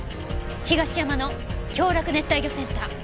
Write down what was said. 東山の京洛熱帯魚センター。